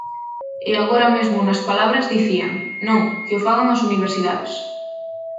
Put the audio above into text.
E agora mesmo nas palabras dicían: Non, que o fagan as universidades.